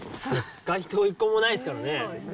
街灯一個もないですからね。